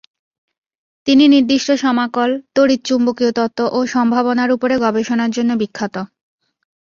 তিনি নির্দিষ্ট সমাকল, তড়িৎ-চুম্বকীয় তত্ত্ব ও সম্ভাবনার উপরে গবেষণার জন্য বিখ্যাত।